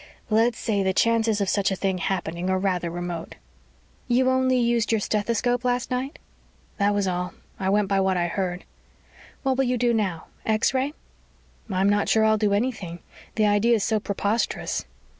"Let's say the chances of such a thing happening are rather remote." "You only used your stethoscope last night?" "That was all. I went by what I heard." "What will you do now? X ray?" "I'm not sure I'll do anything. The idea is so preposterous."